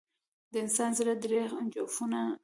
د انسان زړه درې جوفونه نه لري.